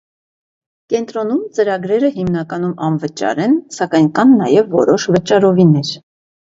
Կենտրոնում ծրագրերը հիմնականում անվճար են, սակայն կան նաև որոշ վճարովիներ։